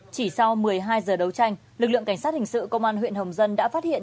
chỉ sau một mươi hai giờ đấu tranh lực lượng cảnh sát hình sự công an huyện hồng dân đã phát hiện